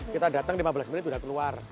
kita datang lima belas menit sudah keluar